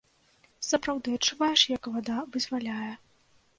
Сапраўды адчуваеш, як вада вызваляе.